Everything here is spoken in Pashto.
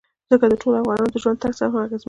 ځمکه د ټولو افغانانو د ژوند طرز هم اغېزمنوي.